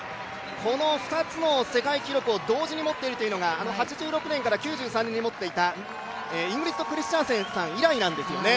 この２つの世界記録を同時に持っているというのが８６年から９３年に持っていたクリスチャンセンさん以来ですね。